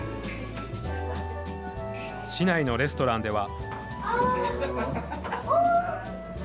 市内のレストランでは。